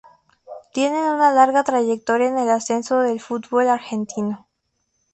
Tiene una larga trayectoria en el ascenso del fútbol argentino.